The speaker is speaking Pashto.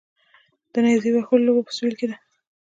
د نیزه وهلو لوبه په سویل کې ده